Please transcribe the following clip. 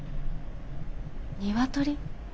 ニワトリ？